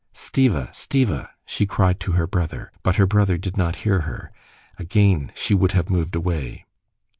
"Stiva! Stiva!" she cried to her brother. But her brother did not hear her. Again she would have moved away.